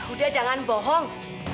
udah jangan bohong